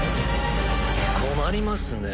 困りますね。